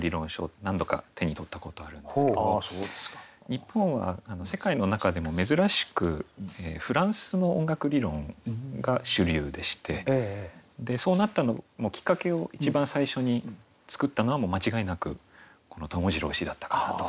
日本は世界の中でも珍しくフランスの音楽理論が主流でしてそうなったのもきっかけを一番最初に作ったのは間違いなくこの友次郎氏だったかなと。